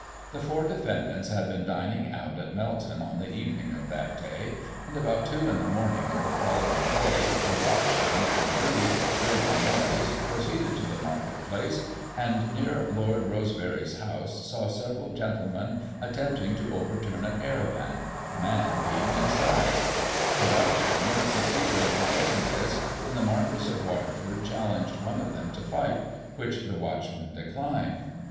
The four defendants had been dining out at Melton on the evening of that day ; and about two in the morning of the following day, the watch men on duty, hearing a noise, proceeded to the Market Place, and near Lord Rosebery's house saw several gentlemen at tempting to overturn a caravan, a man being inside ; the watchmen succeeded in preventing this, when the Marquis of Waterford challenged one of them to fight, which the watch men declined.